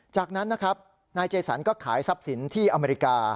จากนั้นนะครับนายเจสันก็ขายทรัพย์สินที่อเมริกา